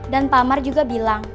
dan pak amar juga bilang